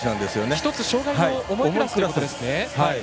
１つ障がいの重いクラスですね。